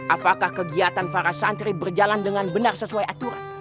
apakah kegiatan para santri berjalan dengan benar sesuai aturan